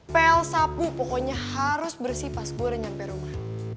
pel sapu pokoknya harus bersih pas gue udah nyampe rumah